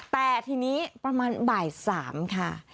แต่ทีนี้ประมาณบ่าย๓ค่ะ